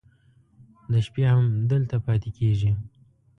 د شپې هم دلته پاتې کېږي.